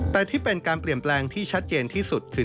แต่ที่เป็นการเปลี่ยนแปลงที่ชัดเจนที่สุดคือ